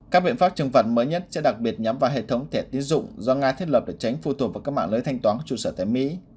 các biện pháp trừng phạt mới nhất sẽ đặc biệt nhắm vào hệ thống thẻ tiến dụng do nga thiết lập để tránh phụ thuộc vào các mạng lưới thanh toán trụ sở tại mỹ